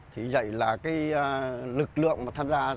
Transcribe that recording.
thì vậy là lực lượng mà tham gia